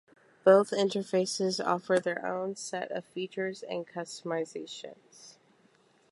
Both interfaces offer their own set of features and customizations.